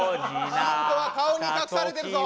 ヒントは顔に隠されてるぞ。